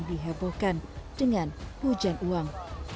dihebohkan dengan hujan uang